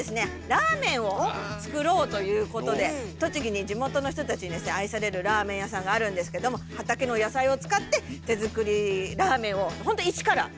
ラーメンを作ろうということで栃木に地元の人たちにですね愛されるラーメン屋さんがあるんですけども畑の野菜を使って手作りラーメンをほんと一から！